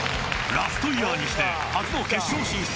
ラストイヤーにして初の決勝進出